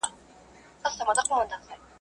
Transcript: o خواره مي غوښتې، نو نه د لالا د مرگه.